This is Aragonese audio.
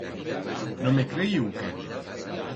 No me creye u qué?